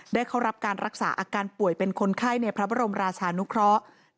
เข้ารับการรักษาอาการป่วยเป็นคนไข้ในพระบรมราชานุเคราะห์